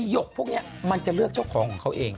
ยกพวกนี้มันจะเลือกเจ้าของของเขาเอง